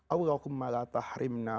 allahumma la tahrimna